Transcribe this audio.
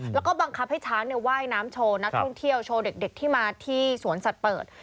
แล้วก็บังคับให้ช้างว่ายน้ำโชว์นักท่องเที่ยวโชว์เด็กที่มาที่สวนสัตว์เปิด